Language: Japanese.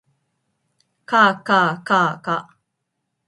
かあかあかあか